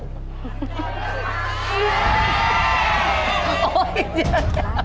เชิญครับ